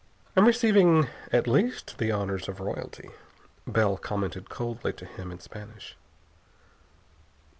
"I am receiving at least the honors of royalty," Bell commented coldly to him, in Spanish.